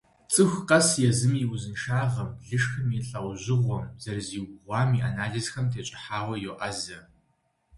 ЦӀыху къэс езым и узыншагъэм, лышхым и лӀэужьыгъуэм, зэрызиубгъуам, и анализхэм тещӀыхьауэ йоӀэзэ.